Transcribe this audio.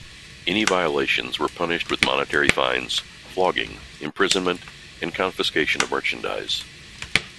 Any violations were punished with monetary fines, flogging, imprisonment and confiscation of merchandise.